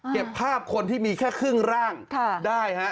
เก็บภาพคนที่มีแค่ครึ่งร่างได้ฮะ